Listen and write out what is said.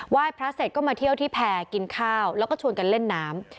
ยพระเสร็จก็มาเที่ยวที่แพร่กินข้าวแล้วก็ชวนกันเล่นน้ำ